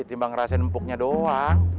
timbang rasain empuknya doang